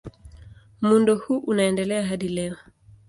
Muundo huu unaendelea hadi leo.